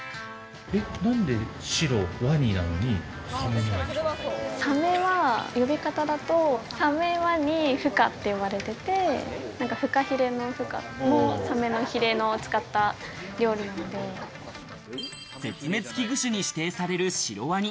なんでシロワニなのにサメは呼び方だと、サメ、ワニフカって呼ばれてて、フカヒレのフカも、絶滅危惧種に指定されるシロワニ。